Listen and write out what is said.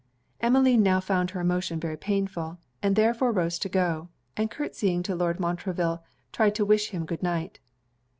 Emmeline now found her emotion very painful; she therefore rose to go, and curtseying to Lord Montreville, tried to wish him good night.